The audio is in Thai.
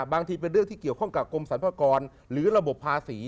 เป็นเรื่องที่เกี่ยวข้องกับกรมสรรพากรหรือระบบภาษี